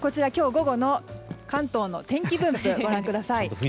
午後の関東の天気分布をご覧ください。